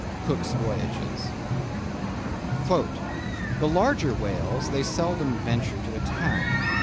—Cook's Voyages. "The larger whales, they seldom venture to attack.